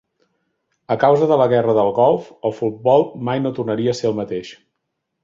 A causa de la guerra del Golf, el futbol mai no tornaria a ser el mateix.